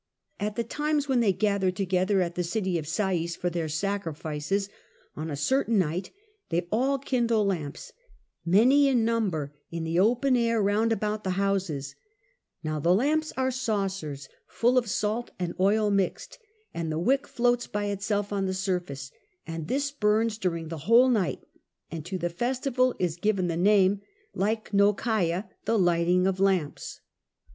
At the times when they gather together at the city of Sais for their sacrifices, on a certain night they all kindle lamps many in number in the open air round about the houses; now the lamps are saucers full of salt and oil mixed, and the wick floats by itself on the surface, and this burns during the whole night; and to the festival is given the name Lychnocaia (the lighting of lamps).